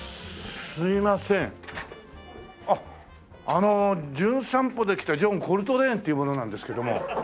あの『じゅん散歩』で来たジョン・コルトレーンという者なんですけども。